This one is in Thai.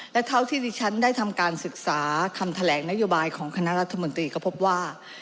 และเท่าที่ดิฉันได้ทำการศึกษาคำแถลงนโยบายของคณะรัฐมนตรีก็พบว่า